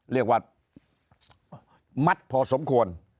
เรียกว่ามัดพอสมควร